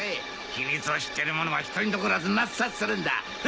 秘密を知っている者は１人残らず抹殺するんだ！